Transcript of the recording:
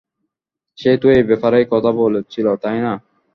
সে তো এই ব্যাপারেই কথা বলছিল, তাই না?